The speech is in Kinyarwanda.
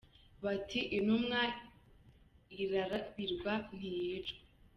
Bati « intumwa irarabirwa ntiyicwa !